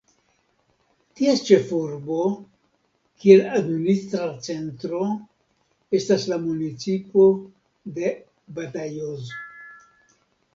Ties ĉefurbo, kiel administra centro, estas la municipo de Badajoz.